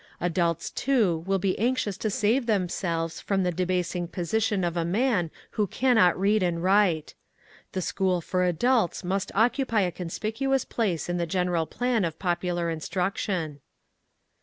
Adults, too, will be anxious to save themselves from the debasing position of a man who cannot read and write. The school for adults must occupy a conspicuous place in the general plan of popular instruction.